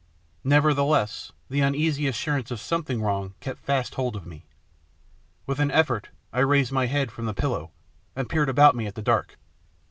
Nevertheless, the uneasy assurance of something wrong kept fast hold of me. With an effort I raised my head from the pillow, and peered about me at the dark.